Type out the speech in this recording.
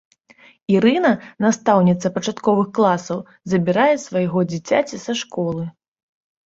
Ірына, настаўніца пачатковых класаў, забірае свайго дзіцяці са школы.